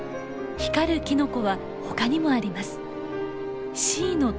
光るキノコは他にもあります。